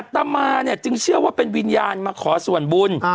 ตามมาเนี่ยจึงเชื่อว่าเป็นวิญญาณมาขอส่วนบุญ